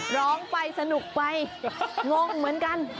ร้องไปสนุกไปงงเหมือนกัน